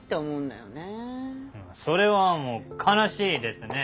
それはもう悲しいですね。